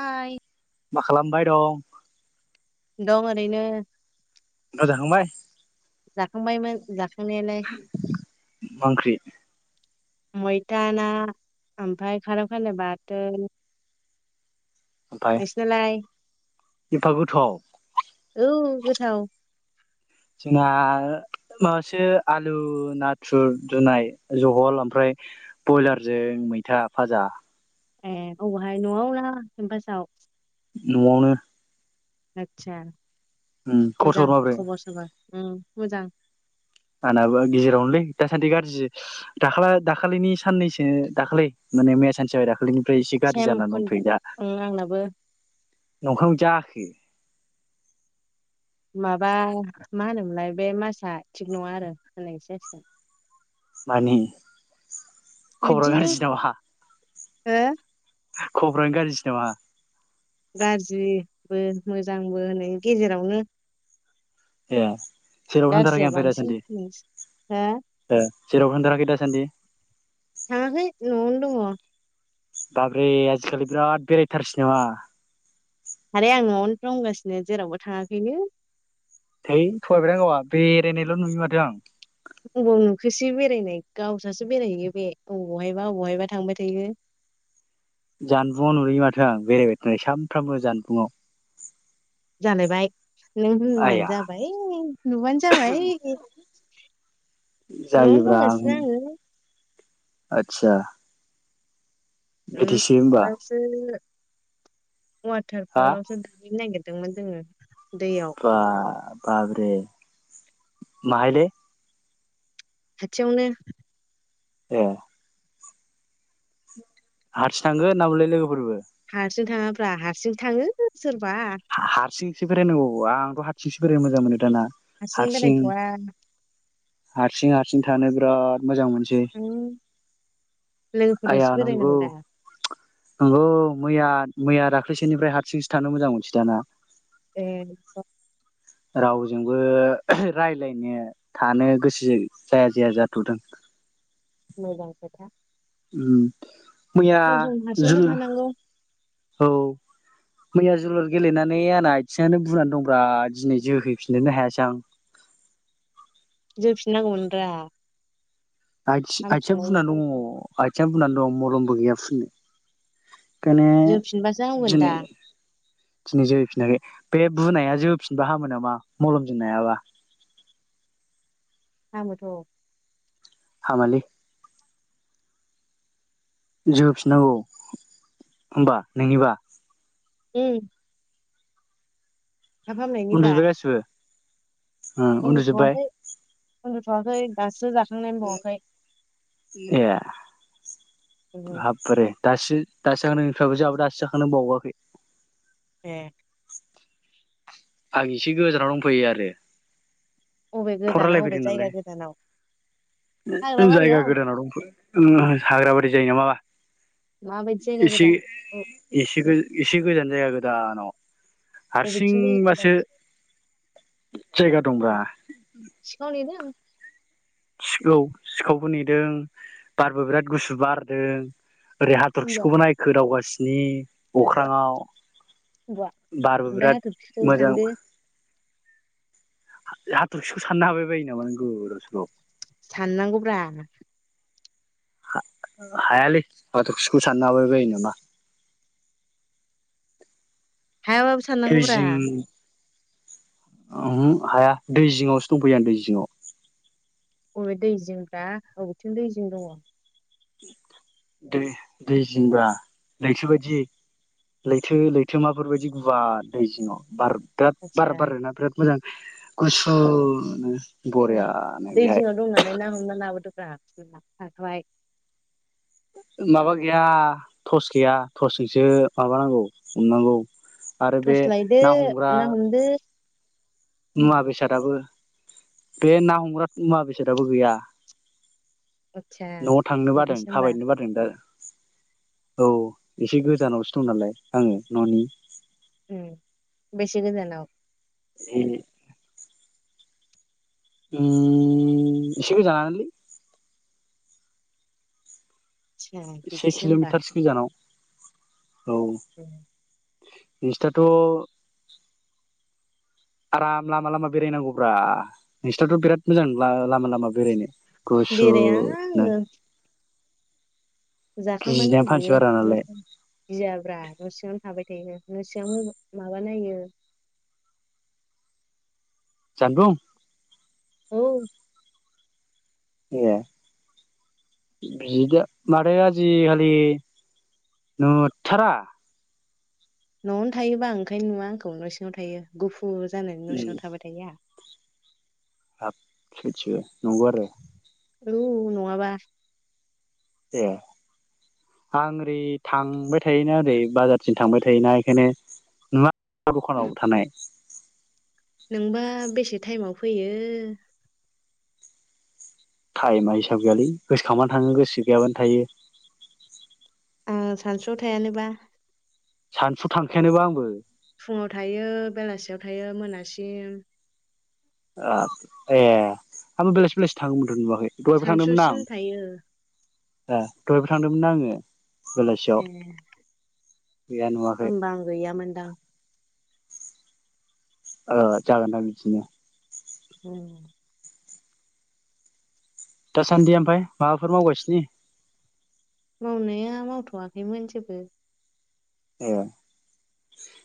आय मा खालामबाय दं? दं ओरैनो। ना जाखांबाय? जाखांबायमोन जाखांनायालाय। मा ओंख्रि मैथा ना ओमफ्राय खार खान्दाय बाथोन। नोंसिना लाय? इफा गोथाव? औ गोथाव। जोंना ओ माबासो आलु नाथुर रुनाय जहल ओमफ्राय बयलारजों मैथा भाजा। ए अबेहाय न'आव ना केमपासाव? न'आवनो। आतसा। उम खबर सबर माब्रै? उम मोजां। आंनाबो गेजेरावनोलै दासान्दि गाज्रि दाखाला दाखालिनि साननैसो दाखलै माने मैया सानसे जाबाय दाखलैनि ओमफ्राय इसे गाज्रि सेम जाना खन दंथ'यो दा। ओं आंनाबो नखां जाखो। माबा मा होनोमोनलाय बे मासा थिग नङा आरो होननायसो जासिगोन। मानि खर' बिदिनो गाज्रि नामा? हो? खबरानो गाज्रिसो नामा? गाज्रिबो मोजांबो होनै गेजेरावनो। ए जेरावबो थांथाराखै गाज्रिया ओमफ्राय बांसिन दासान्दि फैस हो? ए जेरावबो थांथाराखै दासान्दि? थाङाखै न'आव नो दङ। बाब्रै आजिखालि बिराद बेरायथारसै नामा? आरो आं न'आवनो दंगासिनो जेरावबो थाङाखै नो। धै थगायबायदां गावा बेरायनायल' नुयो माथो आं। अबाव नुखोसै बेरायनाय गावसासो बेरायहैयो बे अबेहायबा अबेहायबा थांबाय थायो। जानबुङाव नुयो माथो आं बेरायबाय थानाय सानफ्रामबो जानबुंआव। जालायबाय नों होनबानो आइया जाबाय नुबानो जाबाय नआवनो दंसो आंङो आतसा उम बांसिन न हा वाटारफलावसो दुगैनो नांगिर दों दोंमोन जोंङो बा बाबरे माहायले खाथियावनो ए हारसिं थांगोन ना बुंलाय लोगोफोरबो हारसिं थाङाब्रा हारसिं थांङो सोरबा सो बेरायनांगौ आंथ हारसिंसो बेरायनो मोजां मोनो दाना हारसिं बेरायथवा हारसिं हारसिं थानो बिराद मोजां मोनसै [inaudible] उम आइया लोगोफोरजोंसो नंगौ बेरायनांगौ दा नंगौ मैया मैया दाख्लैसोनिफ्राय हारसिंसो थानो मोजां मोनसै दाना ए रावजोंबो रायज्लायनो थानो गोसो जाया जाया जाथदों मोजां खोथा उम मैया सम सम जुल हारसिंबो थानांगौ औ मैया जोलुर गेलेनानै आंना आथिंङानो बुनानै दंब्रा दिनै जोहैफिनोनो हायासै आं हो होफिननांगौमोन नोंथाङा आखि आथिंआ बुंना दंङ आथिं बुंनानै दं मलमबो गैयाफुननो खायनो जोफिनबासो हामगोन दा दिनै दिनै जोहैफिनाखै बे बुनाया जोफिनबा हामो नामा मलमजों नायाबा हामोथ हामालै जोफिननांगौ होनबा नोंनिबा उम थाफ हामनायनिब्रा ओ उनदुजोबबाय उन्दु थवाखै दासो जाख ए ए औ हाब बारे दासो-दासो जाखांनानै बिफ्रायाबो जोंहाबो दासो जाखांनानै बावाखै ए आं एसे गोजानाव दंफैयो आरो अबे गोदानाव अबे फरायलायफैदों जायगा नालाय गोदानाव हाग्रा जायगा बारियाव गोदानाव दं हाग्राब दै जायो नामा? माबायदि जायगा एसे गोदान अ एसे गो एसे गोजान जायगा गोदानाव हारसिं अबेथिं जायगा गोदान बासो जायगा दंब्रा सिखाव [unintelligible] सिखौ सिखावबो नेदों बारबो बिराद गुसु बारदों ओरै होनबा हाथरखिखौबो नायखो दावगासिनो नि बुवा अख्राङाव बुवा बारबो ओमफ्राय बिराद हाथरखिखौ मोजां सानदो हाथरखिखौ साननो हाबाय बायो नामा नों गोदाव सोराव साननांगौब्रा हायालै हाथरखिखौ साननो हाबायबायो नामा हायाबाबो दै साननांगौब्रा जिं ओहो हाया दै जिङावसो दंफैयो आं दै जिङाव बबे दै जिंब्रा बबेथिं दै जिं दङ दै दै जिंब्रा लैथो बायदि लैथो लैथोमाफोरबायदि गुवार दै जिङाव बार बिराद आदसा बारा बारो ना बिराद मोजां गुसुनो ओं बरियानो दै बेहाय जिङाव दं नालाय ना हमना लाबोदों [unintelligible] माबा गैया थस गैया थसजोंसो माबानांगौ हमनांगौ आरो बे टस लायदो ना हमग्रा ना हमदो मुवा बेसादाबो बे ना हमग्रा मुवा बेसादाबो गैया आदसा न'आव थांनो बादों बिदिसो होमबा थाबायनो बादों दा औ एसे गोजानावसो दं नालाय आङो न'नि उम बेसे गोजानाव जिनि उम एसे गोजानानोलै आदसा से बिदिसो होमबा किल'मिटारसो गोजानाव औ उम नोंसिनाथ' आराम लामा लामा बेरायनांगौब्रा नोसिनाथ' बिराद मोजां लामा लामा बेरायनो। गुसु बेराया नो। आङो जाखांबानो उन्दुयो बारा नालाय [unintelligible] गियाब्रा न' सिङावनो थाबाय थायो। ओरैनो नसिंआव माबा नायो। जानबुं औ ए बिदि माथो आजिखालि नुथारा। न'आवनो थायोबा आं ओंखायनो नुया आंखौ न' सिङाव थायो गुफु फुर जानायनि न' उम सिङाव थाबाय थायो आंहा। हाब सयथिबो नंगौ आरो? औ नङाबा। ए आं ओरै थांबाय थायोना ओरै बाजारसिम थांबाय थायोना इखायनो नुवा दखानाव थानाय। नोंबा बेसे टाइमाव फैयो टाइमा हिसाब गैयालै गोसोखांबानो थाङो गोसो गैयाबानो थायो। ओ सानसुआव थायानोबा। सानसुआव थांखायानोबा आंबो। फुङाव थायो बेलासियाव थायो मोनासिम। ओ ए आंबो बेलासि बेलासि थाङोमोन नुवाखै दहायबो थांदोंमोन ना सानसुसिम आं। थायो ए दहायबो थांदोंमोन ना आङो बेलासियाव ए गैया नुवाखै होमबा आं गैयामोनदां। ओ जागोन दां बिदिनो। उम दासान्दि ओमफाय माबाफोर मावगासिनो? मावनाया मावथ'वाखैमोन जेबो। ए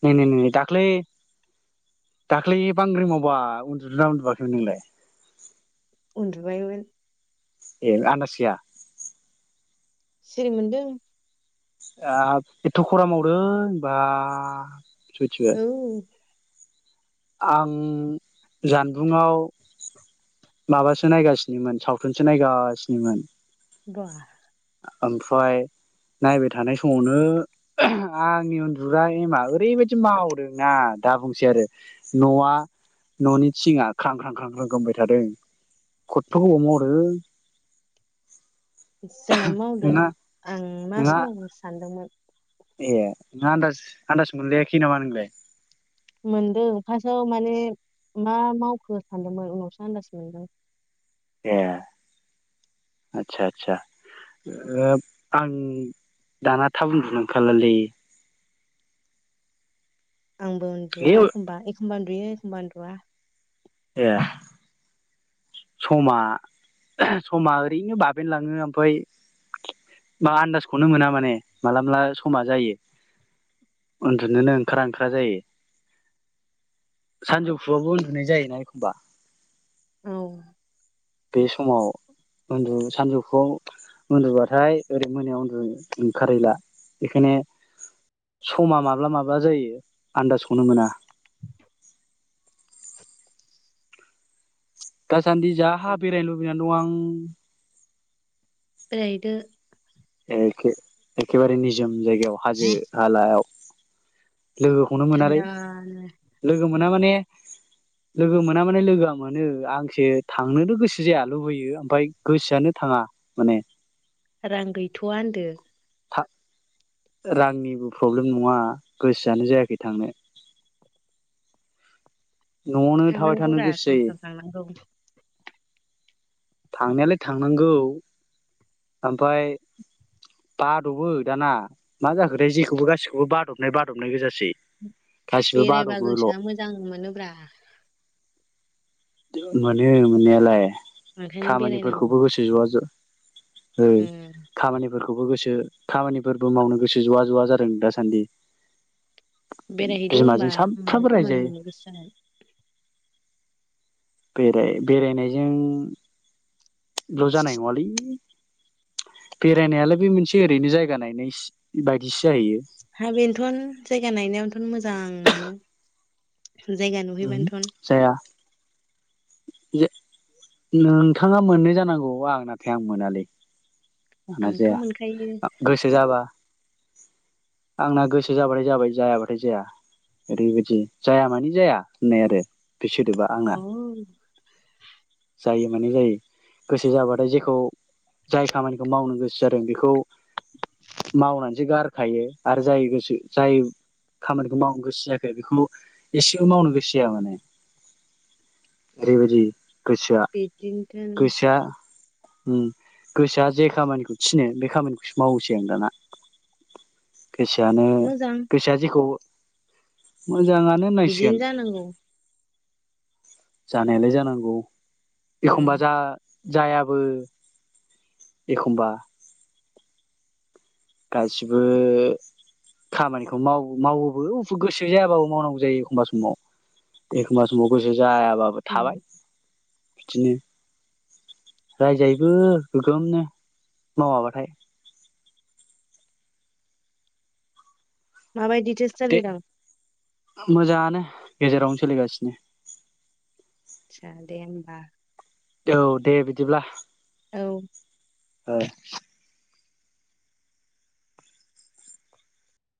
नैै नै नै नै दाख्लै दाख्लै बांग्रि मावबा उन्दुदोना उन्दुाखैमोन नोंलाय? उन्दुबायमोन। ए आनदास गैया? सिरि मोनदों। ओ एथ' खरा मावदों बाह औ आं जानबुंङाव माबासो नायगासिनोमोन सावथुनसो नायगासिनोमोन। बा ओमफ्राय नायबाय थानाय समावनो आंनि उन्दुग्रा एमा ओरैबायदि मावदोंना दा बुंसै आरो न'आ न'नि थिंङा ख्रां ख्रां ख्रां ख्रां खोमबाय थादों खथथ' गोबाव मावदों। जोंनाबो मावदों नोंहा आं मा नोंहा सोमावदोंसो सानदोंमोन। ए नोंहा आनदास आदास मोनलखै नामा नोंलाय? मोनदों फार्स्टआव माने मा मावखो सानदोंमोन उनावसो आन्दाज मोनदों। ए आस्सा आदसा ओ आं दाना थाब उन्दुनो ओंखारलालै। आंबो ए उन्दुा एखमबा एखमबा उनदुयो एखमबा एह समा समा ओरैनो बाबेनलाङो ओमफफ्राय बा आन्दासखौनो मोना माने माला माला समा जायो उन्दुनोनो ओंखारा ओंखारा जायो सानजौफुआवबो उन्दुनाय जायोना एखमबा औ बे समाव उन्दु सानजौफु उन्दुबाथाय ओरै मोनायाव उन्दु ओंखारहैला बेखायनो समा माब्ला माब्ला जायो आन्दाजखौनो मोना। दासान्दि जाहा बेरायनो लुबैनानै दं आं। बेरायहैदो? एखे एखेबारे निजोम जायगायाव हाजो हालायाव लोगोखौनो मोनालै थान्दानो लोगो मोना माने लोगो मोना माने लोगोआ मोनो आंसो थांनोथ' गोसो जाया लुबैयो ओमफ्राय गोसोआनो थाङा माने। रां गैथ'वा होनदो था रांनिबो प्रब्लेम नङा गोसोआनो जायाखै थांनो न'आवनो थाबाय थांनांगौ थानो रा गोसो सम जायो सम थांनांगौ थांनायालाय थांनांगौ ओमफाय बादबो दाना मा जाखोथाये जेखौबो गासिखौबो बादबनाय बादबनाय गोजासै गासिबो बेरायबा बादबोल' गोसोआ मोजां मोनोब्रा। मोनो मोननायालाय ओंखायनो बेरायनांगौ खामानिफोरखौबो गोसो जवा जवा उम खामानिफोरखौ खौबो गोसो खामानिफोरबो मावनो गोसो जवा ज'वा जादों दासान्दि बेरायहैदो होमबा बिमाजों होमबानो सानफ्रामबो खामानि रायजायो मोननो गोसो जागोन बेराय बेरायनायजों लजानाय नङालै बेरायनायालाय बे मोनसे ओरैनो जायगा नायनाय बायदिसो जाहैयो हा बेनोथ' जायगा नायनायावथ' मोजां मोनो जायगा नहै उमहो बान्थन जाया नोंथाङा मोननो जानांगौ आं नाथाय आं मोनालै जना आंथ' जाया मोनखायो गोसो जाबा आंना गोसो जाबाथाय जाबाय जायाबाथाय जाया ओरैबायदि जाया मानि जाया होननाय आरो बे सोदोबा औ आंना जायो माने जायो गोसो जाबाथाय जेखौ जाय खामानिखौ मावनो गोसो जादों बेखौ मावनानैसो गारखायो आरो जाय गोसो जाय खामानिखौ मावनो गोसो जाखो बेखौ एसेबो मावनो गोसो जाया माने ओरैबायदि गोसोआ बिदिनोथोन गोसोआ उ गोसोआ जे खामानिखौ थिनो बे खामानिखौसो मावोसै आं दाना गोसोआनो मोजां गोसोआ जेखौ मोजाङानो होननांसिगोन बिदिनो जानांगौ जानायालाय जानांगौ एखमबा उम जा जायाबो एखमबा गासिबो खामानिखौ माव मावोबो गोसो जायाबाबो मावनांगौ जायो एखमबा समाव एखमबा समाव गोसो जायाबाबो थाबाय बिदिनो रायजायबो गोगोमनो मावाबाथाय माबायदि जलिि दे [inaudible] र मोजाङानो गेजेरावनो सोलिगासिनो आसा दे होमबा औ दे बिदिब्ला औ औ